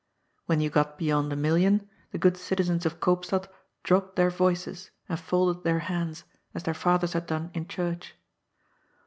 When you got beyond a million, the good citizens of Koopstad dropped their voices and folded their hands, as their fathers had done in church.